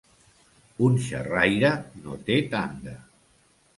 Un xerraire no té tanda.